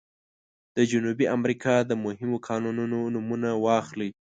د جنوبي امریکا د مهمو کانونو نومونه واخلئ.